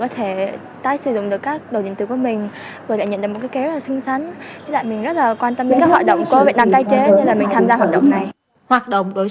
thì rất là đau mũi